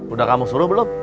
udah kamu suruh belom